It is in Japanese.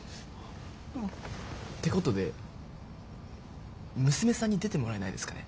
ってことで娘さんに出てもらえないですかね？